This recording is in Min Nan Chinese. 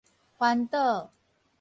翻倒